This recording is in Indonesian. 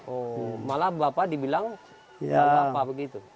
oh malah bapak dibilang bapak begitu